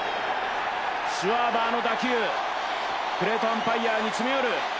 シュワーバーの打球、プレートアンパイヤに詰め寄る